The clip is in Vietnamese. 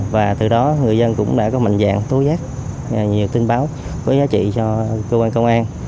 và từ đó người dân cũng đã có mạnh dạng tố giác nhiều tin báo có giá trị cho cơ quan công an